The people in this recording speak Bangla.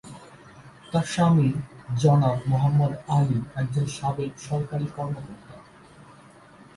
তার স্বামী জনাব মোহাম্মদ আলী একজন সাবেক সরকারী কর্মকর্তা।